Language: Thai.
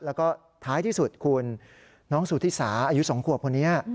แล้วก็ท้ายที่สุดคุณน้องสุธิสาอายุ๒ขวบคนนี้